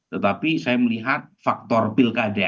tetapi saya melihat faktor pilkada